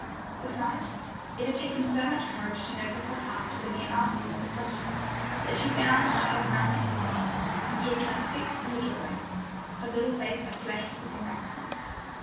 Besides, it had taken so much courage to nerve herself up to the mere asking of the question, that she found she had none in reserve, and stood transfixed in the doorway, her little face aflame with embarrassment.